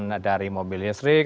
soal keberadaan dari mobil listrik